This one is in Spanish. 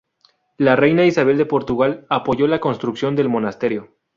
La reina Isabel de Portugal apoyó la construcción del monasterio.